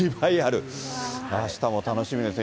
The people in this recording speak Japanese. あしたも楽しみですね。